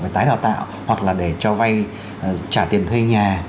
tái đào tạo hoặc là để cho vay trả tiền thuê nhà